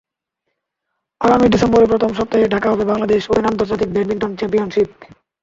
আগামী ডিসেম্বরের প্রথম সপ্তাহে ঢাকায় হবে বাংলাদেশ ওপেন আন্তর্জাতিক ব্যাডমিন্টন চ্যাম্পিয়নশিপ।